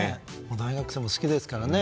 大学生も好きですからね。